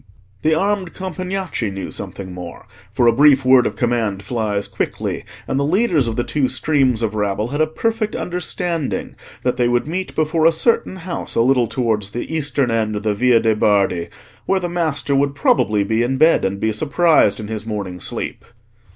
The armed Compagnacci knew something more, for a brief word of command flies quickly, and the leaders of the two streams of rabble had a perfect understanding that they would meet before a certain house a little towards the eastern end of the Via de' Bardi, where the master would probably be in bed, and be surprised in his morning sleep.